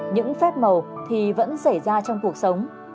những phép màu thì vẫn xảy ra trong cuộc sống